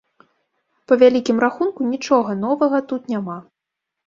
Па вялікім рахунку, нічога новага тут няма.